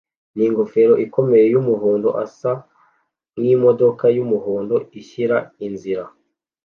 ningofero ikomeye yumuhondo asa nkimodoka yumuhondo ishyira inzira